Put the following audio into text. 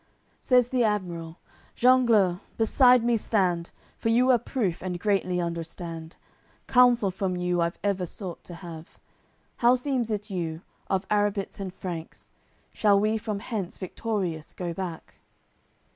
AOI. CCLIV Says the admiral, "Jangleu, beside me stand! For you are proof, and greatly understand, Counsel from you I've ever sought to have. How seems it you, of Arrabits and Franks, Shall we from hence victorious go back?"